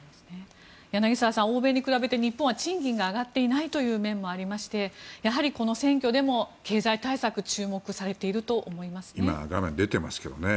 柳澤さん、欧米に比べて日本は賃金が上がっていないという面もありましてやはりこの選挙でも経済対策が注目されていると思いますね。